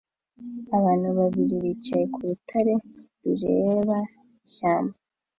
Abantu babiri bicaye ku rutare rureba ishyamba